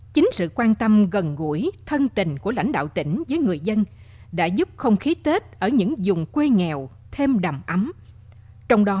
chính sự quan tâm gần gũi thân tình của lãnh đạo tỉnh với người dân đã giúp không khí tết ở những dùng quê nghèo thêm đầm ấm